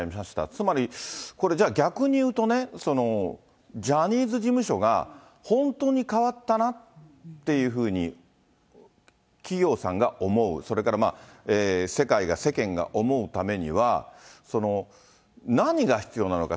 つまり、これ、じゃあ、逆に言うとね、ジャニーズ事務所が、本当に変わったなっていうふうに企業さんが思う、それから世界が、世間が思うためには、何が必要なのか。